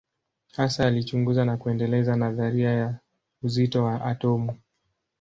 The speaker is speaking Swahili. Hasa alichunguza na kuendeleza nadharia ya uzito wa atomu.